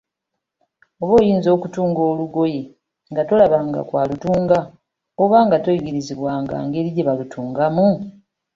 Oba oyinza okutunga olugoye nga tolabanga ku alutunga, oba nga toyigirizibwanga ngeri gye balutungamu?